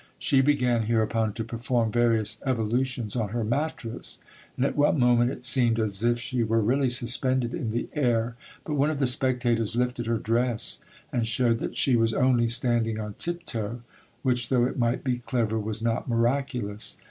She began, hereupon, to perform various evolutions on her mattress, and at one moment it seemed as if she were really suspended in the air; but one of the spectators lifted her dress and showed that she was only standing on tiptoe, which, though it might be clever, was not miraculous.